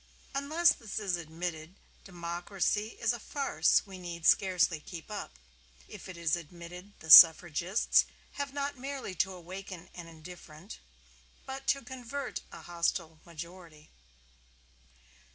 Unless this is admitted, democracy is a farce we need scarcely keep up. If it is admitted, the Suffragists have not merely to awaken an indifferent, but to convert a hostile majority.